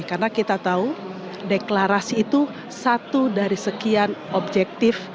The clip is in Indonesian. karena kita tahu deklarasi itu satu dari sekian objektif